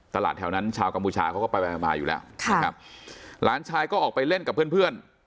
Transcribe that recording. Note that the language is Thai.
ตลาดแถวนั้นชาวกัมพูชาเขาก็ไปมาอยู่แล้วหลานชายก็ออกไปเล่นกับเพื่อน